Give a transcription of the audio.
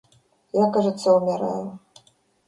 Я, кажется, умираю...